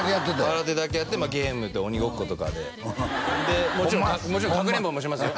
空手だけやってゲーム鬼ごっことかでもちろんかくれんぼもしますよ